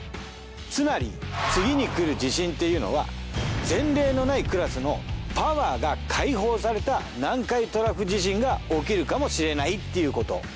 つまり次にくる地震っていうのは前例のないクラスのパワーが解放された南海トラフ地震が起きるかもしれないっていうこと。